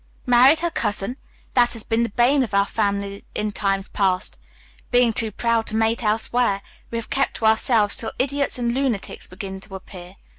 "Married her cousin! That has been the bane of our family in times past. Being too proud to mate elsewhere, we have kept to ourselves till idiots and lunatics began to appear.